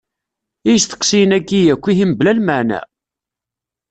I yisteqsiyen-aki akk ihi mebla lmaɛna?